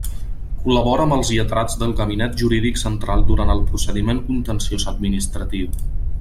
Col·labora amb els lletrats del Gabinet Jurídic Central durant el procediment contenciós administratiu.